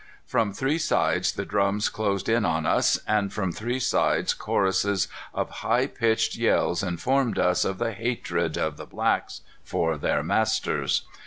From three sides the drums closed in on us, and from three sides choruses of high pitched yells informed us of the hatred of the blacks for their masters.